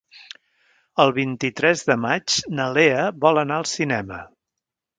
El vint-i-tres de maig na Lea vol anar al cinema.